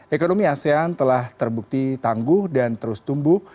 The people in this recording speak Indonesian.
ekonomi asean telah terbukti tangguh dan terus tumbuh